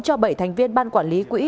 cho bảy thành viên ban quản lý quỹ